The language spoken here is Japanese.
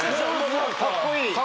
何かかっこいい。